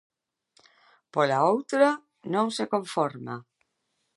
Pola outra, non se conforma.